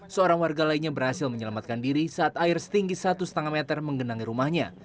seorang warga lainnya berhasil menyelamatkan diri saat air setinggi satu lima meter menggenangi rumahnya